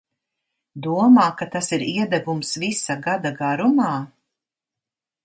Domā, ka tas ir iedegums visa gada garumā?